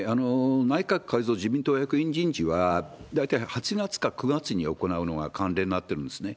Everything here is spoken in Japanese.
内閣改造・自民党役員人事は、大体８月か９月に行うのが慣例になってるんですね。